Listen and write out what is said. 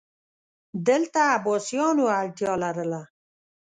دلته عباسیانو اړتیا لرله